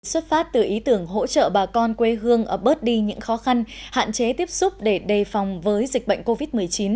xuất phát từ ý tưởng hỗ trợ bà con quê hương bớt đi những khó khăn hạn chế tiếp xúc để đề phòng với dịch bệnh covid một mươi chín